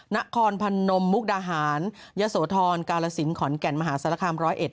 นครพนมมุกดาหารยะโสธรกาลสินขอนแก่นมหาศาลคามร้อยเอ็